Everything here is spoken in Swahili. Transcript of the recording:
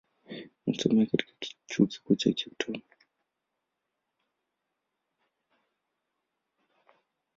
Alisoma katika chuo kikuu cha Cape Town.